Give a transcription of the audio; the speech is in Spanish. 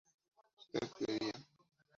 usted bebía